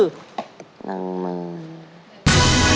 หนึ่งหมื่น